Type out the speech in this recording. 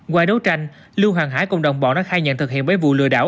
qua đấu tranh lưu hoàng hải cùng đồng bọn đã khai nhận thực hiện bảy vụ lừa đảo